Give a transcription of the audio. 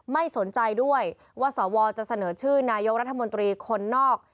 ไม่สนใจด้วยว่าสวจะเสนอชื่อนายกรัฐมนตรีคนนอก